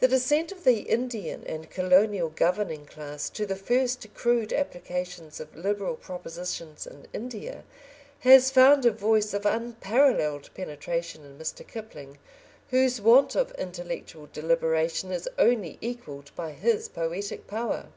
The dissent of the Indian and Colonial governing class to the first crude applications of liberal propositions in India has found a voice of unparalleled penetration in Mr. Kipling, whose want of intellectual deliberation is only equalled by his poietic power.